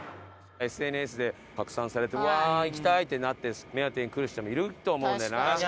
ＳＮＳで拡散されて「うわ行きたい！」ってなって目当てに来る人もいると思うんだよな。